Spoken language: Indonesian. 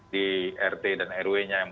di rt dan rw nya yang